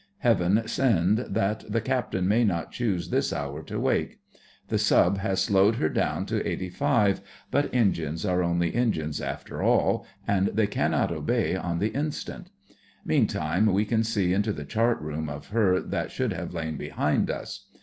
Heaven send that the Captain may not choose this hour to wake. The Sub has slowed her down to eighty five, but engines are only engines after all, and they cannot obey on the instant. Meantime we can see into the chart room of her that should have lain behind us.